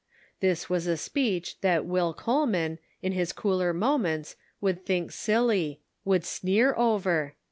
This was a speech that Will Coleman, in his cooler moments, would think silly ; would sneer over.